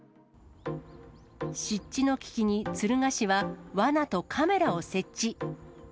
湿地の危機に敦賀市は、ワナとカメラを設置。